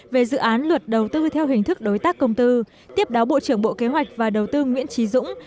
về dự án luật đầu tư theo hình thức đối tác công tư tiếp đáo bộ trưởng bộ kế hoạch và đầu tư nguyễn trí dũng